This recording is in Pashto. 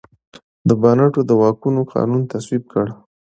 د بانټو د واکونو قانون تصویب کړ.